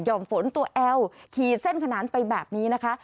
่อมฝนตัวแอลขี่เส้นขนานไปแบบนี้นะคะ